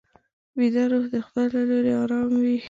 ویده روح د خدای له لوري ارام وي